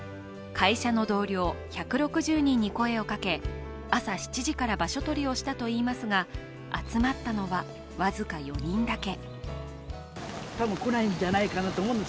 会社の同僚１６０人に声をかけ、朝７時から場所取りをしたといいますが、集まったのは僅か４人だけ。